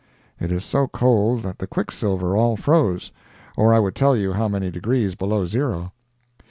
It is so cold that the quicksilver all froze, or I would tell you how many degrees below zero.